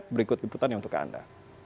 berikut liputan yang untuk anda